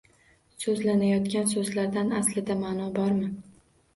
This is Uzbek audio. So’zlanayotgan so’zlardan aslida ma’no bormi?